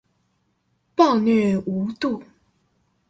暴虐無度